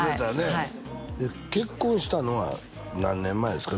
はい結婚したのは何年前ですか？